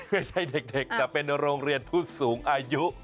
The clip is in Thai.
ไม่แต่เป็นโรงเรียนพุธสูงอายุ